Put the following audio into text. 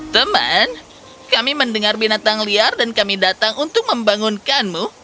teman kami mendengar binatang liar dan kami datang untuk membangunkanmu